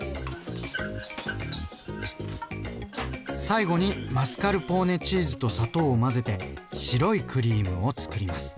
最後にマスカルポーネチーズと砂糖を混ぜて白いクリームをつくります。